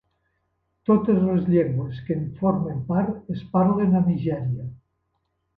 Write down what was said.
Totes les llengües que en formen part es parlen a Nigèria.